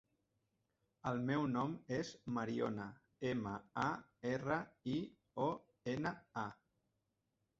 El meu nom és Mariona: ema, a, erra, i, o, ena, a.